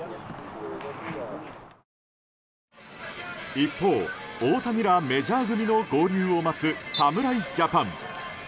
一方、大谷らメジャー組の合流を待つ侍ジャパン。